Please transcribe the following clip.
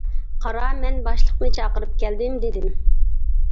-قارا، مەن باشلىقنى چاقىرىپ كەلدىم، دېدىم.